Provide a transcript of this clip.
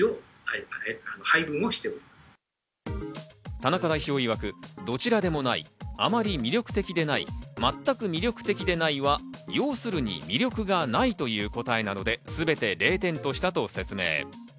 田中代表いわく、どちらでもない、あまり魅力的でない、全く魅力的でないは、要するに魅力がないという答えなので、すべて０点としたと説明。